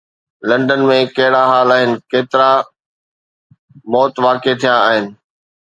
London ۾ ڪهڙا حال آهن، ڪيترا موت واقع ٿيا آهن